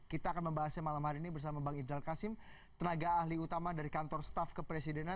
kita akan membahasnya malam hari ini bersama bang ifdal kasim tenaga ahli utama dari kantor staff kepresidenan